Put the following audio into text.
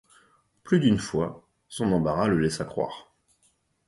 Plus d’une fois, son embarras le laissa croire.